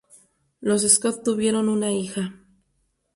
Los Scott tuvieron una hija.